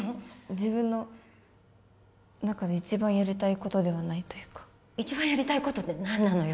自分の中で一番やりたいことではないというか一番やりたいことって何なのよ